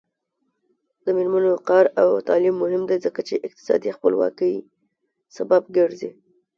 د میرمنو کار او تعلیم مهم دی ځکه چې اقتصادي خپلواکۍ سبب ګرځي.